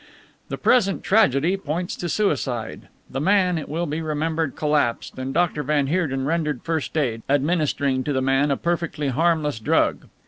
"The present tragedy points to suicide. The man, it will be remembered, collapsed, and Dr. van Heerden rendered first aid, administering to the man a perfectly harmless drug.